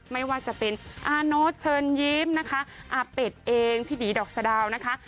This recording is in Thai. ไม่ว่าจะเป็นอาโน๊ตเชิญยิ้มนะคะอาเป็ดเองพี่บีดอกสะดาวนะคะ